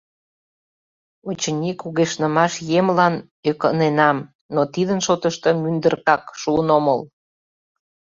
Очыни, кугешнымаш емлан ӧкыненам, но тидын шотышто мӱндыркак шуын омыл.